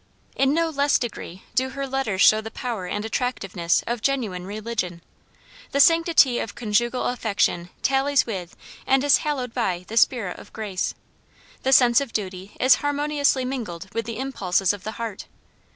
In no less degree do her letters show the power and attractiveness of genuine religion. The sanctity of conjugal affection tallies with and is hallowed by the Spirit of Grace. The sense of duty is harmoniously mingled with the impulses of the heart.